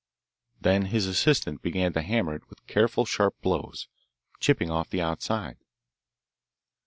Then his assistant began to hammer it with careful, sharp blows, chipping off the outside.